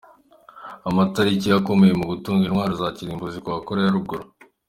Amatariki akomeye mu gutunga intwaro za kirimbuzi kwa Koreya ya Ruguru.